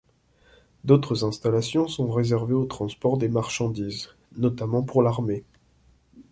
D'autres installations sont réservées au transport des marchandises, notamment pour l'armée.